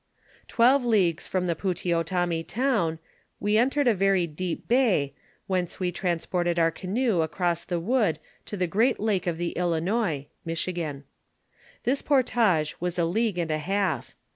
Twelve leagues from the Poviteaoiiatami town we entered a veiy deep bay, whence we transported our canoe across the wood to the great lake of the Ilinois [Michigan]. This portage was a league and a half.